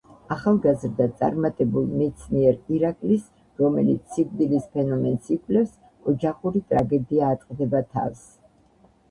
ახალგაზრდა წარმატებულ მეცნიერ ირაკლის, რომელიც სიკვდილის ფენომენს იკვლევს, ოჯახური ტრაგედია ატყდება თავს.